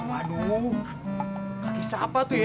waduh kisah apa tuh ya